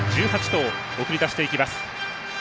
１８頭、送り出していきます。